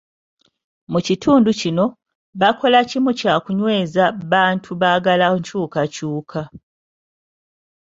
Mu kitundu kino, bakola kimu kyakunyweza bantu baagala nkyukakyuka.